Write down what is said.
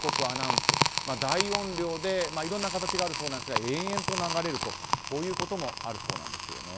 アナウンス大音量でいろんな形があるそうなんですが延々と流れるとこういうこともあるそうなんです。